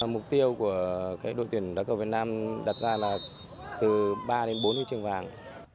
mục tiêu của đội tuyển đá cầu việt nam đặt ra là từ ba đến bốn huy chương vàng